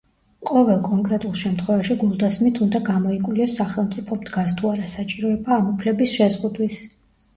ყოველ კონკრეტულ შემთხვევაში გულდასმით უნდა გამოიკვლიოს სახელმწიფომ დგას თუ არა საჭიროება ამ უფლების შეზღუდვის.